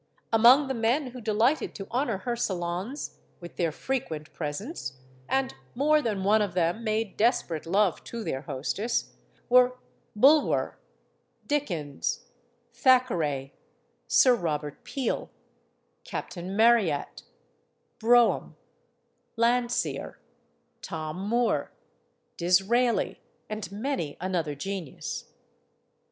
Among the men who delighted to honor her salons xvith their frequent presence and more than one of them made desperate love to their hostess were Bui wer, Dickens, Thackeray, Sir Robert Peel, Captain Marryat, Brougham, Landseer, Tom Moore, Disraeli, and many another genius.